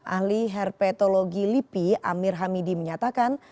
ahli herpetologi lipi amir hamidi menyatakan